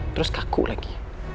terus kaku lagi